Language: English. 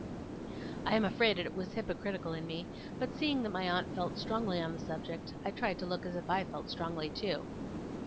I am afraid it was hypocritical in me, but seeing that my aunt felt strongly on the subject, I tried to look as if I felt strongly too.